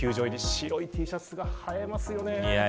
白いＴシャツが映えますよね。